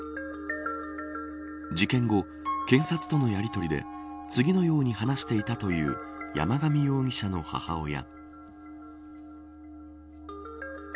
事件後、検察とのやりとりで次のように話していたという山上容疑者の母親。